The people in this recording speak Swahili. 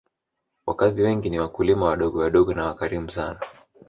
Wakazi wengi ni wakulima wadogowadogo na wakarimu sana